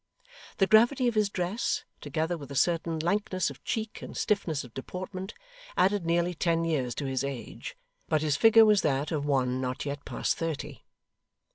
The gravity of his dress, together with a certain lankness of cheek and stiffness of deportment, added nearly ten years to his age, but his figure was that of one not yet past thirty.